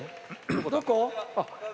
どこ？